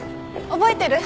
覚えてる？